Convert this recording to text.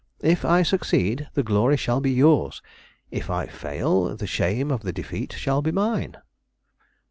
If I succeed, the glory shall be yours; it I fail, the shame of the defeat shall be mine."